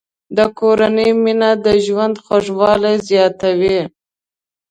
د کورنۍ مینه د ژوند خوږوالی زیاتوي.